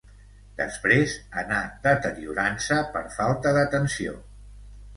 Després anà deteriorant-se per falta d'atenció.